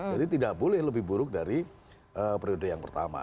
jadi tidak boleh lebih buruk dari periode yang pertama